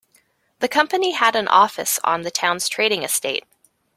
The company had an office on the town's trading estate